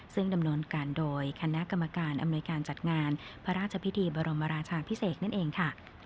ซึ่งดำเนินการโดยคณะกรรมการอำนวยการจัดงานพระราชพิธีบรมราชาพิเศษนั่นเองค่ะ